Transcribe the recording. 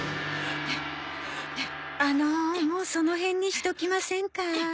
あのもうその辺にしときませんか？